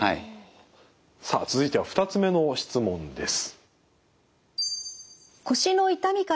さあ続いては２つ目の質問です。